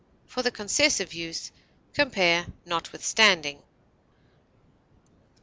For the concessive use, compare NOTWITHSTANDING.